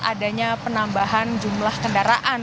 adanya penambahan jumlah kendaraan